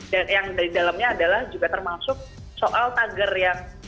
dan yang dari dalamnya adalah juga termasuk soal tagar yang